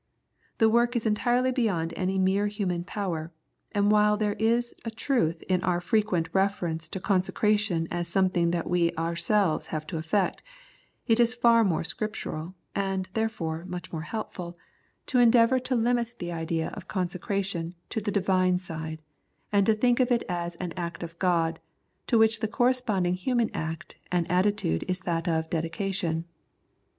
The work is entirely beyond any mere human power, and while there is a truth in our fre quent reference to consecration as something that we ourselves have to effect, it is far more scriptural, and, therefore, much more helpful, 21 The Prayers of St. Paul to endeavour to limit the idea of consecration to the Divine side, and to think of it as an act of God, to w^hich the corresponding human act and attitude is that of dedication.